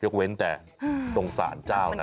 ยกเว้นแต่ตรงสารเจ้านะครับ